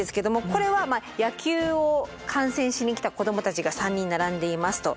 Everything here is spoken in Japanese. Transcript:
これはまあ野球を観戦しに来た子どもたちが３人並んでいますと。